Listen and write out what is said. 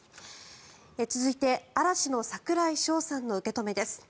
続いて、嵐の櫻井翔さんの受け止めです。